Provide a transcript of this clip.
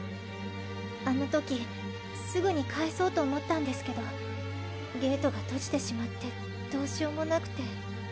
あのときすぐに返そうと思ったんですけどゲートが閉じてしまってどうしようもなくて。